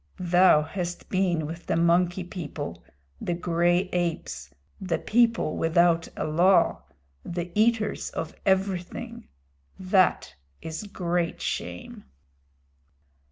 "Thou hast been with the Monkey People the gray apes the people without a law the eaters of everything. That is great shame."